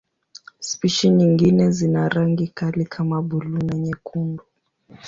Spishi nyingine zina rangi kali kama buluu na nyekundu.